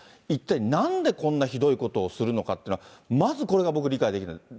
一体なんでこんなひどいことをするのかっていうのは、まずこれが、僕は理解できない。